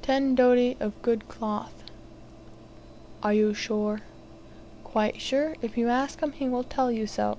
"Ten doti of good cloth." "Are you sure?" "Quite sure. If you ask him, he will tell you so."